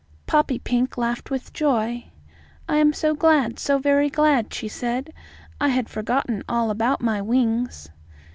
Poppypink laughed with joy. "I am so glad, so very glad!" she said. "I had forgotten all about my wings."